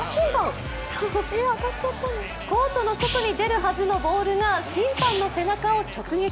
コートの外に出るはずのボールが審判の背中を直撃。